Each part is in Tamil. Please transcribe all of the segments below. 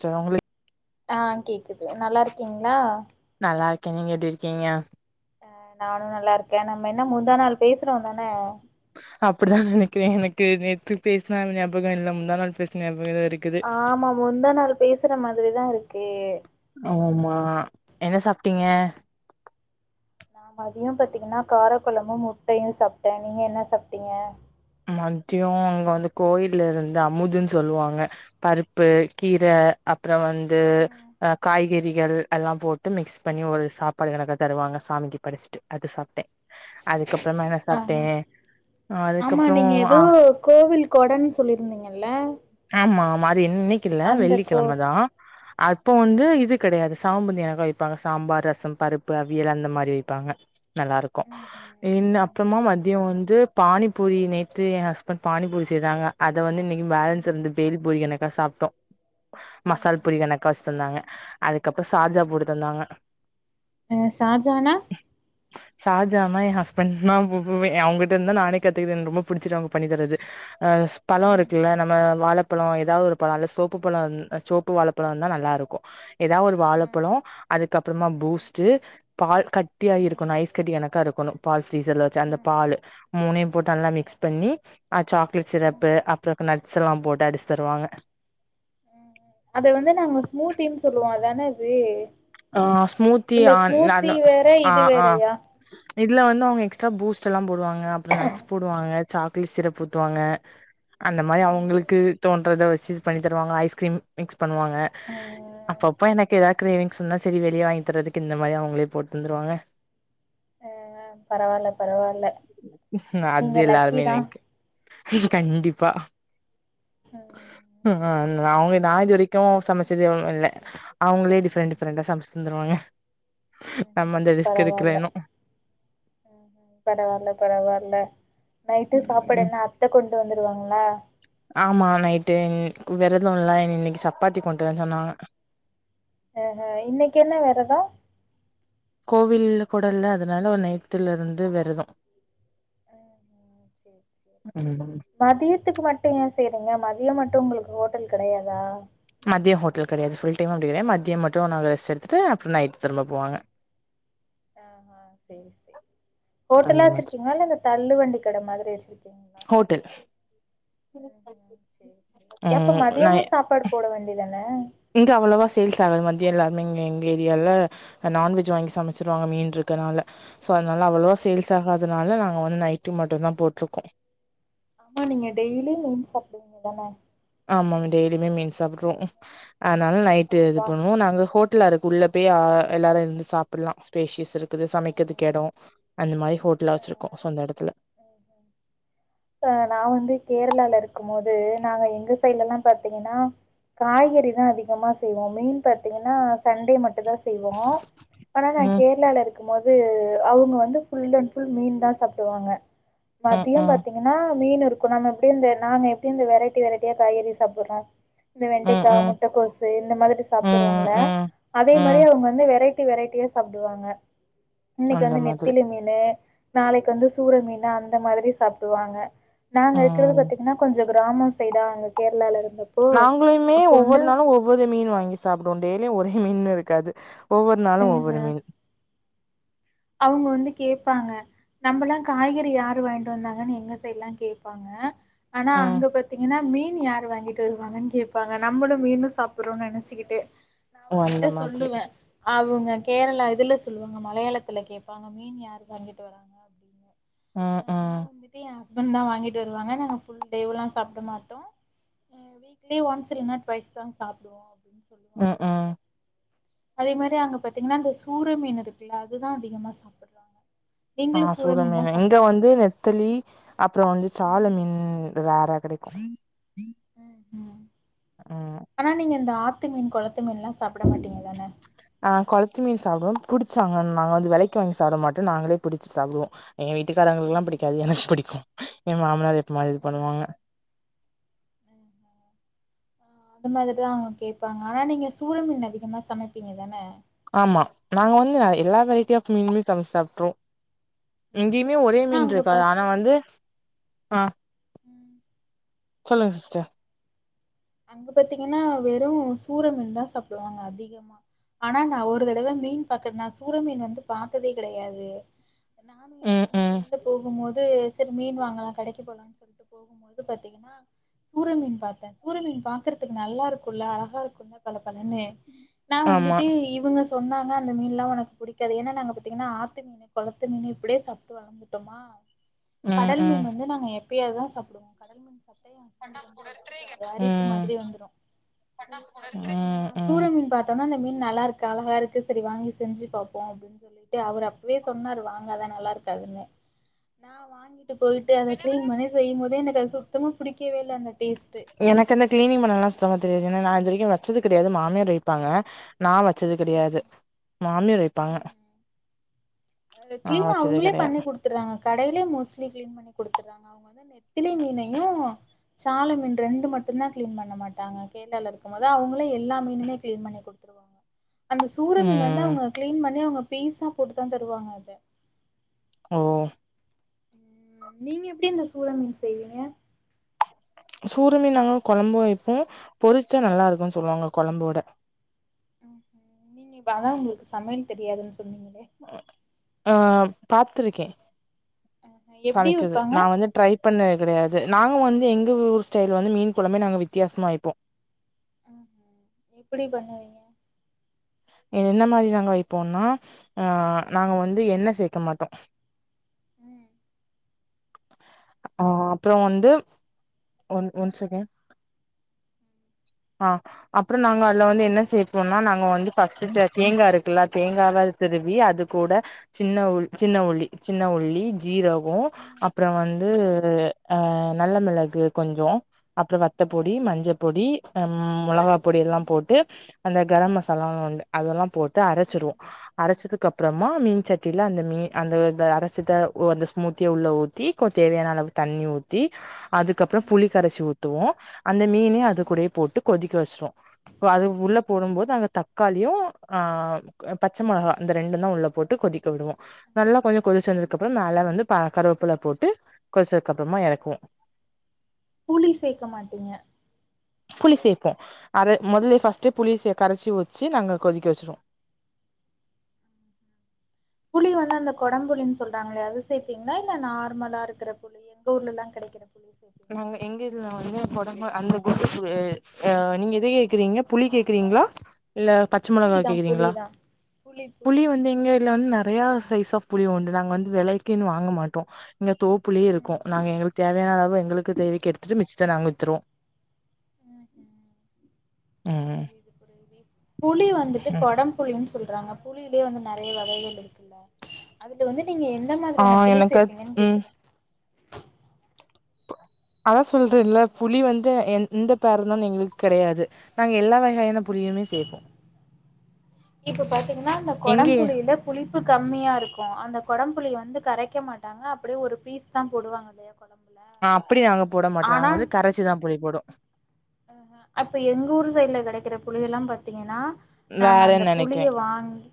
சேர் உங்களுக் ஆ கேக்குது நல்லாருக்கீங்களா நல்லால்க்கே நீங்க எப்டி இருக்கீங்க ஆ நானு நல்லார்க்கே நம்ம என்ன முந்தா நாள் பேஸ்றோதன அப்டிதா நெனைக்கிறே எனக்கு நேத்து பேஸ்ன ஞாபகோ இல்ல முந்தா நாள் பேஸ்ன ஞாபக தா இருக் ஆமா முந்தா நாள் பேஸ்ன மாதிரி தா இருக்கு ஆமாம்மா என்ன சாப்ட்டீங்க அ மதியோ பாத்தீங்கன்னா காரக்கொழம்பு, முட்டையு சாப்ட்டே நீங்க என்ன சாப்ட்டீங்க மத்யோ அங்க வந்து கோயில்ல இருந்து அமுதுன் சொல்லுவாங்க பருப்பு, கீர அப்றோ வந்து அ காய்கறிகள் எல்லா போட் டு மிக்ஸ் பண்ணி ஒரு சாப்பாடு எல்லார்க்கு தருவாங்க சாமிக்கு படஸ்ட்டு அது சாப்ட்டே அதுக்கப்பறமா என்ன சாப்ட்டே ஆஹா அது ஆமா நீங்க எதோ கோவில் கொடன் சொல்லீர்ந்தீங்கல்ல ஆமாம்மா அது இன்னைக் இல்ல கோ வெள்ளிக்கிழம தா அப்போ வந்து இது கெடையாது சாம்பு [unintelligible] வைப்பாங்க சாம்பார், ரசம், பருப்பு, அவியல் அந்த மாரி வெய் ப்பாங்க நல்லாருக்கு இன் அப்றமா மதியோ வந்து பானி பூரி நேத்து எ ஹஸ்பண்ட் பானிபூரி செய்தாங்க அத வந்து இன்னைக் பேலன்ஸ் இருந்துத் பேல் பூரி எனக்கா சாப்ட்டோ மசால் பூரி எனக்கா வஸ்தந்தாங்க அதுக்கப்றோ சார்ஜா போட்டுட்டு தந்தாங்க ஆ ஷாஜானா சார்ஜானா எ ஹஸ்பண்ட் நா போபோவே ஏ அவுங்கிட்டர்ந்து தா நானே கத்துகுதுன் ரொம்ப புடிச்சுரு அவுங்க பண்ணி தரது அ பழோ ம் இருக்குல்ல நம்ம வாழப்பழோ எதா ஒரு பழோ நல்ல சோப்பு பழோ இர் சோப்பு வாழப்பழோ இர்ந்தா நல்லாருக்கு எதா ஒரு ம் வாழப்பழோ அதுக்கப்பறமா பூஸ்ட்டு பால் கட்டியா ம் இருக்கணு ஐஸ் கட்டி கணக்கா இருக்கணு பால் ஃப்ரீசர்ல வச்ச அந்த ம்ஹும் பாலு மூணயு போட்டு நல்லா மிக்ஸ் பண்ணி அ சாக்லேட் ம் சிரப்பு அப்றோ க நட்ஸ் எல்லா போட்டு அடிச் தருவாங்க அத வந்து நாங்க ஸ்மூத்தின் சொல்லுவோ அதான இது ஆ ஸ்மூத்தி ஆனாலு வேற ஆ இது ஆ வேறயா இதுல வந்து அவுங்க எக்ஸ்ட்ரா பூஸ்ட் எல்லா போடுவாங்க அப்பறோ நட்ஸ் போடுவாங்க சாக் லேட் சிரப் ஊத்துவாங்க அந்த மாரி ம் அவுங்களுக்கு தோன்றத வச்சு பண்ணி தருவாங்க ஐஸ்கிரீம் மிக்ஸ் பண்ணுவாங்க அப்பப்ப எனக் எதா க்ரேவிங் சொன்னா செரி வெளிய வாங்கி தரதுக்கு இந்த மாரி அவுங்ளே போட் தந்துருவாங்க ஆ பரவால்ல பரவால்ல அது நீங்க லக்கி எல்லார்மே தா எனக்கு கண்டிப்பா ம் ஆ அவுங் நா இது வரைக்கு சமச்சது ம் இல்ல அவுங்ளே டிஃப்ரெண்ட் டிஃப்ரெண்டா சமச் தந்துருவாங்க நம்ம அந்த ரிஸ்க் எடுக்கல பரவால்ல இன்னு [inaudible] பரவால்ல பரவால்ல நைட்டு இன்னு சாப்பாடு என்ன அத்த கொண்டு வந்துருவாங்ளா ஆமா நைட்டு ம் வெரதோல்ல இன்னைக்கு சப்பாத்தி கொண்டு வரன் சொன்னாங்க ஆ ஆ இன்னைக் என்ன வெரதோ கோவில் கொடல்ல அதுனால நேத்துலருந்து வெரதோ ஆ ஆ சேர் சேரி ம் மதியத்துக்கு மட்டு ஏ செய்றீங்க மதியம் மட்டு உங்களுக்கு ஹோட்டல் கெடையாதா மதியோ ஹோட்டல் கெடையாது ஃபுல் டைம் அப்டி கெடையாத் மதியம் மட்டு நாங்க ரெஸ்ட் எடுத்துட்டுஅப்றோ நைட் திரும்ப போவாங்க ஆ ஹா சேரி சேரி அந்த ஹோட்டலா மாதிரி வச்சிருக்கீங்களா இல்ல இந்த தள்ளு வண்டி கட மாதிரி வச்சிருக்கீங்களா ஹோட்டல் எப்ப ம் நா மதியமு சாப்பாடு போட வேண்டியதான இங்க அவ்ளோவா சேல்ஸ் ஆகாது மந்தியோ எல்லாருமே இங்க எங்க ஏரியால நான்வெஜ் வாங்கி சமைச்சிருவாங்க மீன் இருக்கனால சோ அதனால அவ்வளோவா சேல்ஸ் ஆகதுனால நாங்க வந்து நைட்டு மட்டு தா போட்ருக்கோ ஆமா நீங்க டெய்லி மீன் சாப்பிடுவீங்க தான ஆமாங்க டெய்லியுமே மீன் சாப்ட்ருவோ அதனால நைட்டு இது ஆமா பண்ணுவோ நாங்க ஹோட் ட்டுலாருக் குள்ள போய் ஆ எல்லாரு இருந்து சாப் அப்பிட்ல்லா ஸ்பேஷியஸ் இருக்குது ம்ஹும் சமைக்கிறதுக்கு எடோ அந்த மாரி ஹோட்டலா வச்சிருக்கோ சொந்த இடத்துல அ ஹ அ நா வந்து கேரளால இருக்கும் போது நாங்க எங்க சைட்லல்லாம் பாத்தீங்கன்னா காய்கறி தா அதிகமா செய்வோ மீன் பாத்தீங்கன்னா சண்டே மட்டு தா செய்வோ ஆனா நா ம். கேர்ளால இரு க்கும் போது அவுங்க வந்து ஃபுல் அண்ட் ஃபுல் மீன் தா சாப்டுவாங்க ம், மதியம் ம். பாத்தீங் ஏனா மீன் இருக்கு நம்ம எப்டியு இந்த நாங்க எப்டி இந்த வெரைட்டி வெரைட்டியா காய்கறி சாப்புடுறோ இந்த ம், வெண்டைக்கா மு ம். முட்டக்கோசு இந்த மாதிரி ம், சாப்புடுறோல்ல ம். அதே மாரி ம். அவுங்க வந்து வெரைட்டி வெரைட்டியா சாப்டுவாங்க இன்னைக்கு அந்த வந்து மாதிரி. நெத்திலி மீன்னு நாளைக்கு வந்து சூற மீன்னு அந்த மாதிரி சாப்டுவாங்க நாங்க இருக்கறது ம். பாத்தீங்கன்னா கொஞ்சோம் கிராமம் சைடா அங்க கேரளால இருந்த நாங்களுமே ஒவ்வொரு நாளும் ஒவ் வொரு மீன் வாங்கி சாப்டுவோ டெலியு ஒரே மீன்னுன் இருக்காது ஒவ்வொரு நாளு ஒவ்வொரு மீன் அவுங்க வந்து கேப்பாங்க நம்மல்லா காய்கறி யாரு வாங்கிட்டு வந்தாங்கன் எங்க சைடுல்லா கேப்பாங்க ஆனா ம். அங்க பத் த்தீங்கன்னா மீன் யாரு வாங்கிட்டு வருவாங்கன்னு கேப்பாங்க நம்மளு மீனு சாப்படுறோனு நனைச்சுக்கிட்டு நா ஓ! அந்த அவுங்ககிட்ட மாதிரி. சொல்லுவ அவுங்க கேரளா இதுல சொல்லுவாங்க மலையாளத் துல கேப்பாங்க மீன் யாரு வாங்கிட்டு வராங்க அப்டின்னு ஆ அ வந்து எ ஹஸ்பண்ட் தா வாங்கிட்டு வருவாங்க நாங்க ஃபுல் டேவுலா சாப்ட மாட்டோ நாங்க வீக்லி ஒன்ஸ் இல்லன்னா டொவைஸ் தாங்க சாப்டுவோ அப்டினு சொல்வா ம், ம். அவுங்ககிட்ட அதே மாரி அங்க பாத்தீங்கன்னா இந்த சூர மீன் இருக்குல்ல அதுதா அதிகமா சாப்படுறாங் ஆ சூர மீன்னு இங்க வந்து தளி அப்பறோ வந்து சலா மீன் ரேரா கடைக்கு ம் ம் ம் ஆனா நீங்க இந்த ஆத்து மீன் கொளத்து மீன்ல்லா சாப்பட மாட்டீங்க தான ஆ கொளத்து மீன் சாப்டுவோ புடிச்சாங்கனா நாங்க வெலைக்கு வாங்கி சாப்ட மாட்டோ நாங்களே பிடிச்சு சாப்டுவோ எங்க வீட்டுக்காரங்களுக்குல்லா பிடிக்காது எனக்கு பிடிக்கு என் மாமனார் ஏத்த மாரி இது பண்ணுவாங்க அது மாரி தா அவுங்க கேப்பாங்க ஆனா நீங்க சூர மீன் அதிகமா சமைப்பீங்க தான ஆமா நாங்க வந்து எல்லா வெரைட்டி ம்ஹும் ஆஃப் மீன்னுமே சமைச்சு சாப்ட்டுருவோ ம்ஹும் இங்கியுமே ஒரே ஆனா மீன் அங்க இருக்காது ஆனா வந்து பாத்தீங்கன்னா ஆ ம் சொல்லுங்க சிஸ்டர் அங்க பாத்தீங்கன்னா வெறு சூர மீன் தா சாப்டுவாங்க அதிகமா ஆனா நா ஒரு தடவ மீன் பக்க நா சூர மீன் வந்து பாத்ததே கடையாது நானு எ ம் ஹஸ்பண்டு ம் வெள்ல போகும்போது சரி மீன் வாங்கலா கடைக்கு போலாம்னு சொல்ட்டு [inaudible] போகும்போது பாத்தீங்கன்னா சூர மீன் பாத்தே ஊர மீன் பாக்கறதுக்கு நல்லாருக்குல்ல அழகா இருக்குல்ல பல பலனு நா ஆமா வந்துட்டு இவங்க சொன்னாங்க அந்த மீன்லா ஒனக்கு புடிக்காது ஏனா நாங்க பாத்தீங்கன்னா ஆத்து குளத்து மீன் இப்படியே சாப்ட்டு வளந்துட்டோமா ம் கடல் ம் மீன் வந்து நாங்க எப்பயாவதா சாப்பிடுவோ கடல் மீன் சாப்டா எ ஹஸ்பண்ட்கு வந்து அ அரிப்பு ம் மாதிரி வந்துரு ம் நா ம் சூரமீன் பாத் தமா இந்த மீன் நல்லாருக்கு அழகாருக்கு சரி வாங்கி செஞ்சு பாப்போ அப்டின்னு சொல்ட்டு அவரு அப்பவே சொன்னாரு வாங்காதா நல்லாருக்காதுன்னு நா வாங்கிட்டு ட்டு போய்ட்டு அத க்ளீன் பண்ணி செய்யும்போதே எனக்கது சுத்தமா புடிக்கவே இல்ல அந்த டேஸ்ட்டு எனக்கு அந்த க்ளீனிங் பண்ணல்லா சுத்தமா தெரியாது ஏன்னா நா இது வரைக்கு வச்சது கெடையாது மாமியார் வைப்பாங்க நா வச்சது கெடையாது ம்ஹூம் மாமியார் வைப்பாங்க நா க்ளீன் வச்சதே அவங்களே கெடையாது பண்ணி குடுத்துறாங்க கடைலயே மோஸ்ளீ க்ளீன் பண்ணி குடுத்துட்றாங்க அவங்க நெத்திலி மீனையு சால மீன் ரெண்டு மட்டுதா க்ளீன் பண்ண மாட்டாங்க இருக்கும்போது அவங்களே எல்லா மீனுமே க்ளின் பண்ணி குடுத்துருவாங்க அந்த சூர மீன் வந்து ம் அவங்க க்ளீன் பண்ணி அவங்க பீஸா போட்டுதா தருவாங்க அத ஓ ம் நீங்க எப்டி இந்த சூர மீன் செய்வீங்க சூர மீன் நாங்க கொழம்பு வைப்போ பொறிச்சா நல்லாருக்குன்னு சொல்லுவாங்க கொழம்போட நீங்க இப்ப அதா உங்ளுக்கு சமையல் தெரியாதுன்னு சொன்னீங்களே ஆ பாத்துருக்கே ஆஹ எப்டி சமைக்குது வைப்பாங்க நா வந்து ட்ரை பண்ணது கெடையாது நாங்க வந்து எங்க ஊர் ஸ்டைல் வந்து மீன் கொழம்பே நாங்க வித்தியாசமா வைப்போ எப்படி பண்ணுவீங்க என்ன மாரி நாங்க வைப்போன்னா ஆ நாங்க வந்து எண்ண சேக்க மாட்டோ ம் ஆ அப்ற வந்து ஒன் ஒன் செகன் ஆ அப்ற நாங்க அதுல வந்து என்ன சேப்போனா நாங்க வந்து ஃபர்ஸ்ட்டு தேங்கா இருக்குல்ல தேங்காவ திருவி அது கூட சின்ன உ சின்ன உள்ளி சின்ன உள்ளி ஜீர கோ ம் அப்ற வந்து ம் அ நல்ல மெளகு கொஞ்சோ அப்ற வ த்தப்பொடி மஞ்சப்பொடி ம் மொளகா பொடில்லா ம் போட்டு அந்த கரம் மசாலா உண்டு அதெல்லா போட்டு அரைச்சிருவோ அரைச்சதுக்கப்றமா மீன் சட்டில அந்த மீன் அந்தந்த அரச்சத அந்த ஸ்மூத்தியா உள்ள தீக்கொ தேவையான அளவுக்கு தண்ணி ஊத்தி அதுக்கப்ற புளி ம் கரைச்சி ஊத்துவோ அந்த மீனே அது ம் கூடயே போட்டு கொதிக்க வச்சுருவோ அது உள்ள போடும்போது ம்ஹும். அந்த தக்காளியு ஆ பச்ச மொளகா அந்த ரெண்டுந்தா உள்ள போட்டு கொதிக்க விடுவோ நல்லா கொஞ்ச கொதிச்சு வந்ததுக்கு அப்றோ மேல வந்து கருவப்புள்ள போட்டு கொதிச்சதுக்க அப்றமா எறக்குவோ புளி சேக்க மாட்டீங்க புளி சேப்போ அத மொதலே ஃபஸ்டே புளி சே கரைச்சு வச்சு நாங்க கொதிக்க வச்சுருவோ புளி வந்து அந்த கொடம் புளின்னு சொல்றாங்களே அது சேப்பீங்ளா இல்ல நார்மலா இருக்ற புளி எங்க ஊர்லல்லா கெடைக்கிற புலிசே நாங்க எங்க இதுல வந்து கொடம்பு அந்த குண்டு புளி அ நீங்க எத கேக்குறீங்க புளி கேக்குறீங்ளா இல்ல ப புளிதா புளிதா புளி புளி வந்து எங்க இதுல வந்து நெறையா சைஸ் ஆஃப் புளி உண்டு நாங்க வந்து வெலைக்குன்னு வாங்க மாட்டோ இங்க தோப்புலயே இருக்கு ம் நாங்க எங்களுக்கு தேவையான அளவு எங்களுக்கு தேவைக்கு எடுத்துட்டு மிச்சத்த நாங்க வித்றுவோ ம் புளி வந்துட்டு கொடம் புளின்னு சொல்றாங்க புளியிலயே வந்து நெறய வகைகள் இருக்குல்ல அதுல வந்து நீங்க எந்த ஆ மாரியான புளி எனக்கு சேப்பீங்கன் ம் கேக்குற அதா சொல்றேன் இல்ல புளி வந்து எந்ததருந்தான எங்களுக்கு கிடையாது நாங்க எல்லா வக யான புளியுமே சேப்போ இப்ப பாத்தீங்கன்னா அந்த கொடம்புளில புளிப்பு கம்மியாருக்கு அந்த கொடம் புளி வந்து கரைக்க மாட்டாங்க அப்டியே ஒரு பீஸ் தா போடுவாங்க இல்லயா ஆ அப்டி நாங்க போட மாட்டோ நாங்க வந்து கரைச்சிதா புளி போடு அப்ப எங்க ஊர் சைட்ல கெடைக்கிற புளில்லா பாத்தீங்கனா நாங்க அந்த வேறன்னு நெனைக்கிறே புளிய வாங்கி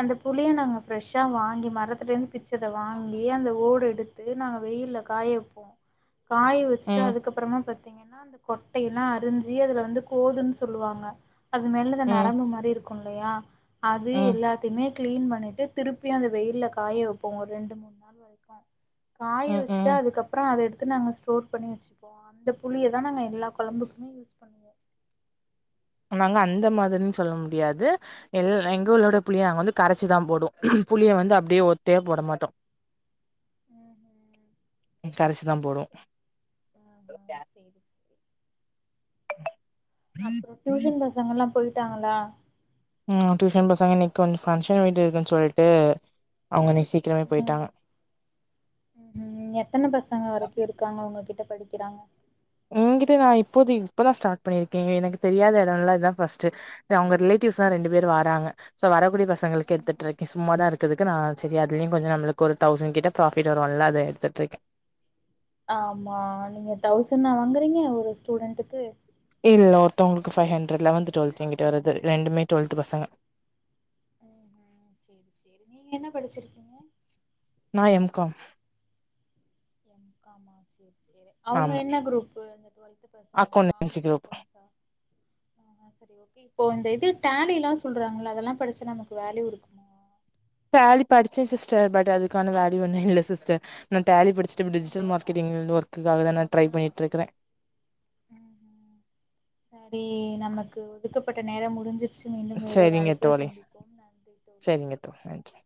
அந்த புளிய நாங்க ஃப்ரெஷ்ஷா வாங்கி மரத்துலேருந்து பிச்சத வாங்கி அந்த ஓடு எடுத் து நாங்க வெயில்ல காய வப்போ காய வச்சுட்டு ம் அதுக்கப்பறமா பத்தீங்கனா அந்த கொட்டையெல்லா அரிஞ்சி அதுல வந்து கோதுன் சொல்லுவாங்க அது மேலத ம் நரம்பு மாரி இருக்குல்லயா அது ம் எல்லா எத்துமே கிளீன் பண்ணிட்டு திருப்பி அந்த வெயில்ல காய வப்போ ஒரு ரெண்டு மூணு நாள் வரைக்கு காய ம் வச்சுட்டு ம் அதுக்கப்பற அதை எடுத்து நாங்க ஸ்டோர் பண்ணி வச்சுப்போ அந்த புளியதா நாங்க எல்லா கொழம்புக்குமே யூஸ் பண்ணுவோ நாங்க அந்த மாதிரின் சொல்ல முடியாது எ ம் எங்கலொட புளிய நாங்க வந்து கரைச்சிதா போடுவோ புளிய வந்து அப்டியே ஒத்தையா போட மாட்டோ ம் ம் கரைச்சி தா போடுவோ ம் செரி செரி அப்ற டியூஷன் பசங்கல்லா போய்ட்டாங்களா ம் டியூஷன் பசங்க இன்னைக்கு கொஞ்சோ ஃபங்ஷன் வீடு இருக்குன் சொல்ட்டு அவங்க இன்னைக்கு சீக்ரமே ம் போய்ட்டாங்க ம் எத்தன பசங்க வரைக்கு இருக்காங்க உங்க கிட்ட படிக்கிறாங்க உங்கிட்ட நான் இப்போதி இப்பதா ஸ்டார்ட் பண்ணிருக்க எனக்கு தெரியாத இடம்லா இதா ஃபர்ஸ்ட் இது அவங்க ரிலேட்டிவ்ஸ் தா ரெண்டு பேர் ம்ஹும் வாராங்க ஸோ வரக்கூடிய பசங்களுக்கு எடுத்துட் ம்ஹும் இருக்கே சும்மாதா இருக்குறதுக்கு நா சரி அதுலயு கொஞ்சோ நம்மளுக்கு ஒரு தௌசண்ட் கிட்ட ப்ராப்பிட் வரும்ல அத எடுத்துட்ருக்க ஆமா நீங்க தௌசணா வாங்குறீங்க ஒரு ஸ்டூடெண்ட்டுக்கு இல்ல ஒருத்தவங்களுக்கு ஃபைவ் ஹ்ண்ரட் லவன்த டுவல்த் எங்கிட்ட வரது ரெண்டுமே டுவல்த் பசங்க ம்ஹும் சேரி சேரி நீங்க என்ன படிச்சிருக்கீங்க நா எம் காம் எம் கா மா சேரி சேரி அவங்க ஆமா என்ன குரூப்பு அந்த டுவெல்த்து பசங்க அக்கௌண்டன்சி காமர்ஸ் குரூப் அக்கௌண்ட்ஸா [inaudible] ஓகே இப்போ இந்த இது டேலில்லா சொல்றாங்கள அதெல்லா படிச்சா நமக்கு வேல்யூ இருக்குமா டேலி படிச்சே சிஸ்டர் பட் அதுக்கான வேல்யூ ஒன்னு இல்ல சிஸ்டர் நான் டேலி படிச் சிஸ்டர் ஆ டிஜிட்டல் மார்கெட்டிங் ஒர்க்குக்காகதா நா ட்ரை பண்ணிட்ருக்க ம் சரி நமக்கு ஒதுக்கப்பட்ட நேரம் முடிஞ்சிருச்சு மீண்டும் வேறொரு சரிங்க அழைப்பில தோழி சந்திப்போ நன்றி தோழி சரிங்க தோ நன்றி